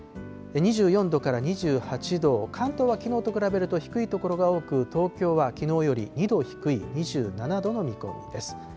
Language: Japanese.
２４度から２８度、関東はきのうと比べると低い所が多く、東京はきのうより２度低い２７度の見込みです。